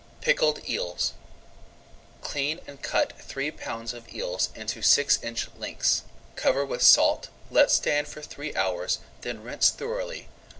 PICKLED EELS Clean and cut three pounds of eels into six inch lengths. Cover with salt, let stand for three hours, then rinse thoroughly.